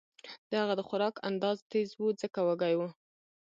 د هغه د خوراک انداز تېز و ځکه وږی و